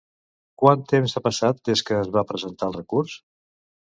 Quant temps ha passat des que es va presentar el recurs?